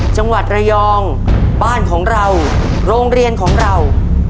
จังหวัดระยองบ้านของเราโรงเรียนของเรา